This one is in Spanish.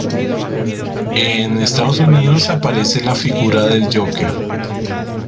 Y en Estados Unidos, aparece la figura del Joker.